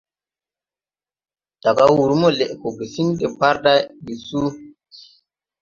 Daga wǔr mo lɛʼgɔ gesiŋ deparday ndi suu.